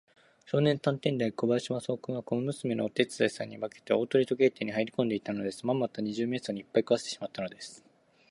少年探偵団長小林芳雄君は、小娘のお手伝いさんに化けて、大鳥時計店にはいりこんでいたのです。まんまと二十面相にいっぱい食わせてしまったのです。